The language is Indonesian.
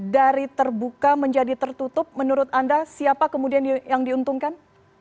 dari terbuka menjadi tertutup menurut anda siapa kemudian yang diuntungkan